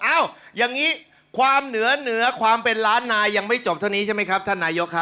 อย่างนี้ความเหนือเหนือความเป็นล้านนายยังไม่จบเท่านี้ใช่ไหมครับท่านนายกครับ